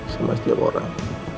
sama setiap orang